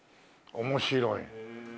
面白いの。